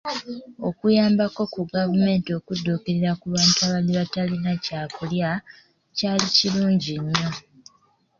Okuyambako ku gavumenti okudduukirira ku bantu abaali batakyalina kyakulya kyalikirungi nyo.